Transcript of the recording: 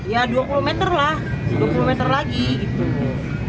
ya dua puluh meter lah dua puluh meter lagi gitu